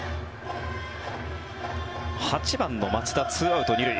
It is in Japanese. ８番の松田２アウト２塁。